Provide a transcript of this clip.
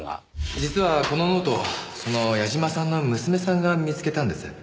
実はこのノートその矢嶋さんの娘さんが見つけたんです。